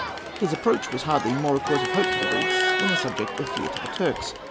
His approach was hardly more a cause of hope to the Greeks than a subject of fear to the Turks.